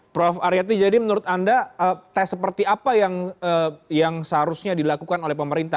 prof aryati jadi menurut anda tes seperti apa yang seharusnya dilakukan oleh pemerintah